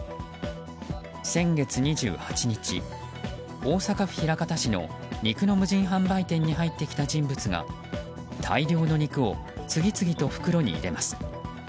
先月２８日、大阪府枚方市の肉の無人販売店に入ってきた人物が大量の肉を次々と袋に入れます。